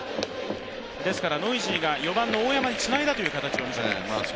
ですからノイジーが４番の大山につないだという形を見せています。